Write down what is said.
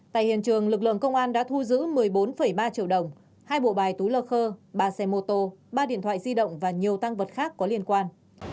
tại hiện trường lực lượng công an đã thu giữ một mươi bốn ba triệu đồng hai bộ bài túi lơ khơ ba xe mô tô ba điện thoại di động và nhiều tăng vật khác có liên quan